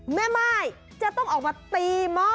แม่ม่ายจะต้องออกมาตีหม้อ